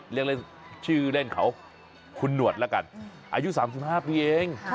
เรียกเล่นชื่อเล่นเขาคุณหนวดละกันอายุ๓๕ปีเอง